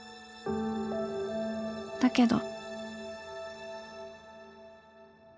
「だけど」。